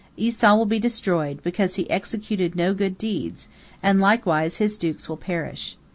Esau will be destroyed, because he executed no good deeds, and likewise his dukes will perish.